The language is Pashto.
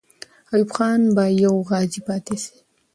ایوب خان به یو غازی پاتې سي.